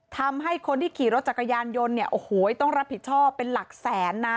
ทำให้คนที่ขี่รถจักรยานยนต์เนี่ยโอ้โหต้องรับผิดชอบเป็นหลักแสนนะ